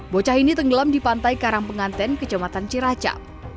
bocah ini tenggelam di pantai karang penganten kejamatan ciraca